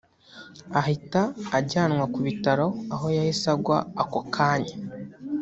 ahita ajyanwa ku bitaro aho yahise agwa ako kanya